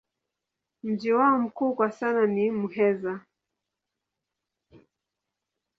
Mji wao mkuu kwa sasa ni Muheza.